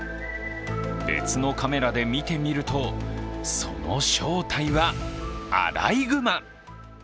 別のカメラで見てみると、その正体はアライグマ。